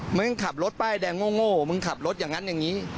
มึงขับรถป้ายแดงโง่มึงขับรถอย่างนั้นอย่างนี้